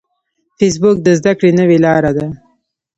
فېسبوک د زده کړې نوې لاره ده